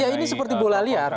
ya ini seperti bola liar